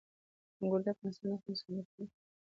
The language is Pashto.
انګور د افغانستان د اقلیم ځانګړتیا ده.